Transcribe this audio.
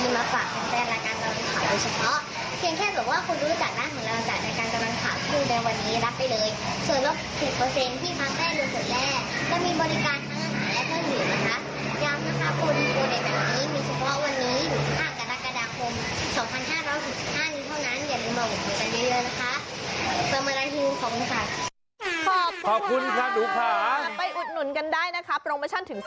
มาฝากแฟนโดยส่วนแรกและมีบริการทางอาหารและเพิ่มหยุดนะคะ